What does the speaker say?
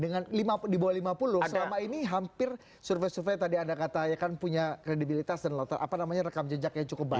dengan di bawah lima puluh selama ini hampir survei survei tadi anda katakan punya kredibilitas dan apa namanya rekam jejak yang cukup baik